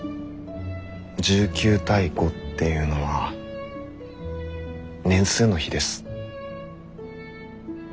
１９対５っていうのは年数の比です。